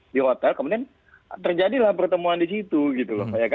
di hotel kemudian terjadilah pertemuan di situ gitu loh